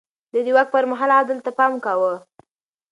ده د واک پر مهال عدل ته پام کاوه.